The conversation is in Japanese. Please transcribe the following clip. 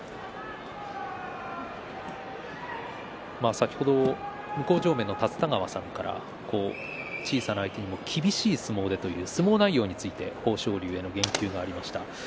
先ほど向正面の立田川さんから小さな相手にも厳しい相撲でと相撲内容への言及がありました。